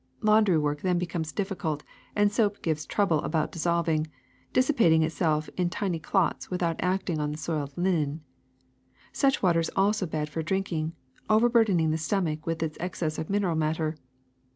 Laundry work then becomes difficult and soap gives trouble about dissolving, dissipating itself in tiny clots without acting on the soiled linen. Such water is also bad for drinking, overburdening the stomach with its ex cess of mineral matter.